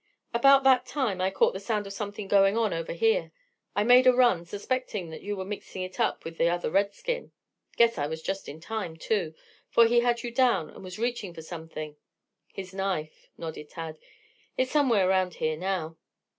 "About that time I caught the sound of something going on over here. I made a run, suspecting that you were mixing it up with the other redskin. Guess I was just in time, too, for he had you down and was reaching for something " "His knife," nodded Tad. "It's somewhere around here now."